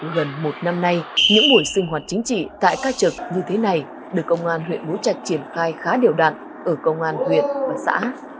gần một năm nay những buổi sinh hoạt chính trị tại ca trực như thế này được công an huyện bố trạch triển khai khá điều đạn ở công an huyện và xã